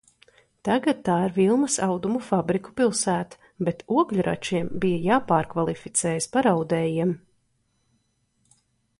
Tagad tā ir vilnas audumu fabriku pilsēta, bet ogļračiem bija jāpārkvalificējas par audējiem.